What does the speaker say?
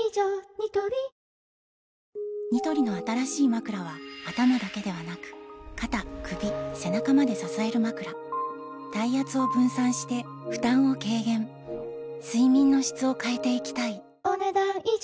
ニトリニトリの新しいまくらは頭だけではなく肩・首・背中まで支えるまくら体圧を分散して負担を軽減睡眠の質を変えていきたいお、ねだん以上。